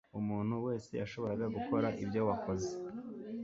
Umuntu wese yashoboraga gukora ibyo wakoze.